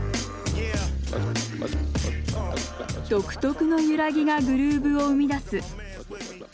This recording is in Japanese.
独特な揺らぎがグルーヴを生み出す。